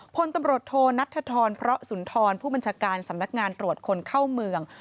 พลตำรวจโทนัทธรพระสุนทรผู้บัญชาการสำนักงานตรวจคนเข้าเมือง